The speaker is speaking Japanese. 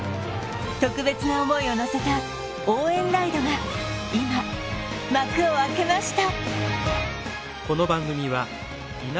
特別な思いを乗せた応援ライドが今幕を開けました